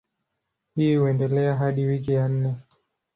Hii huendelea hadi wiki ya nne.